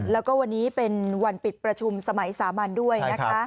แล้วก็วันนี้เป็นวันปิดประชุมสมัยสามัญด้วยนะคะ